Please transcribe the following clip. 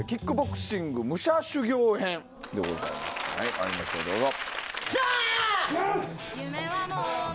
まいりましょうどうぞ。